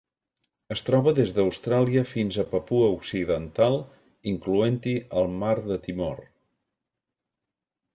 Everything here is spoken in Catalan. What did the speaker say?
Es troba des d'Austràlia fins a Papua Occidental, incloent-hi el mar de Timor.